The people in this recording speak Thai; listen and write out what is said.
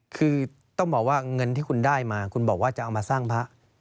คือต้องบอกว่าเงินที่คุณได้มาคุณบอกว่าจะเอามาสร้างพระ